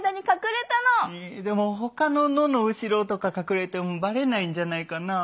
でも他の「の」の後ろとか隠れてもバレないんじゃないかなあ。